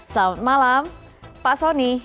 selamat malam pak sony